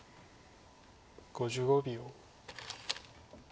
５５秒。